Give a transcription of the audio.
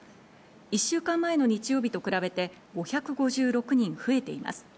１週間前の日曜日と比べて５５６人増えています。